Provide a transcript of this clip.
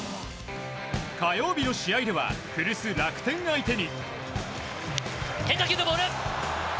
火曜日の試合では古巣・楽天相手に。